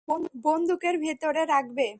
বন্দুকের ভেতরে রাখবে।